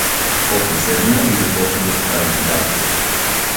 После седна и започна да си прави цигара.